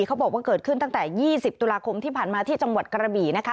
เขาบอกว่าเกิดขึ้นตั้งแต่๒๐ตุลาคมที่ผ่านมาที่จังหวัดกระบี่นะคะ